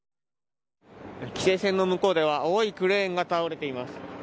規制線の向こうでは、青いクレーンが倒れています。